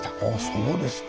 そうですか。